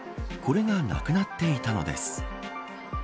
これがなくなっていたのです。